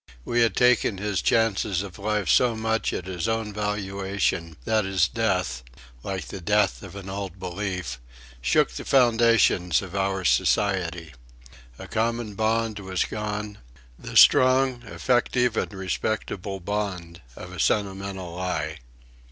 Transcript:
We had taken his chances of life so much at his own valuation that his death, like the death of an old belief, shook the foundations of our society. A common bond was gone; the strong, effective and respectable bond of a sentimental lie.